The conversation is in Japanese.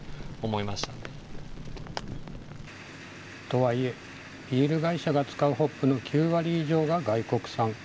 とはいえ、ビール会社が使うホップの９割以上が外国産。